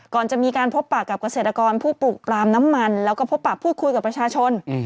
ก่อนจะมีการพบปากกับเกษตรกรผู้ปลูกปลามน้ำมันแล้วก็พบปะพูดคุยกับประชาชน